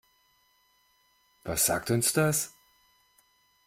Was sagt uns das?